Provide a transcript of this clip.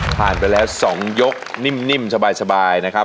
ผ่านไปแล้ว๒ยกนิ่มสบายนะครับ